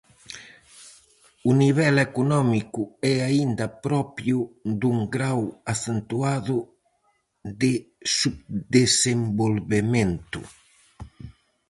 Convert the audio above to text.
O nivel económico é aínda propio dun grao acentuado de subdesenvolvemento.